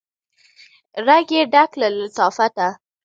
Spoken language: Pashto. ږغ یې ډک د لطافته